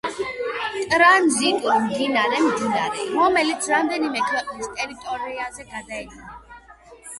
ტრანზიტული მდინარე-მდინარე, რომელიც რამდენიმე ქვეყნის ტერიტორიაზე გაედინება